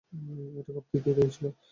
এবং এটা খুব তৃপ্তিদায়ক ছিল।